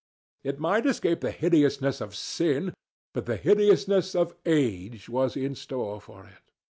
It might escape the hideousness of sin, but the hideousness of age was in store for it.